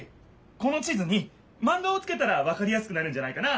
この地図にマンガをつけたらわかりやすくなるんじゃないかな。